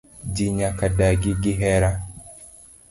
Ji nyaka dagi gi hera.